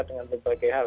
dengan berbagai hal